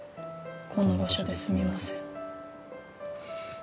「こんな場所ですみません」